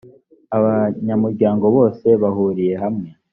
abanyamuryango bose bahuriye hamwe `